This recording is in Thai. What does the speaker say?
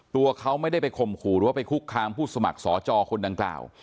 ตัวเขาไม่ได้ไปข่มขู่หรือว่าไปคุกคามผู้สมัครสอจอคนดังกล่าว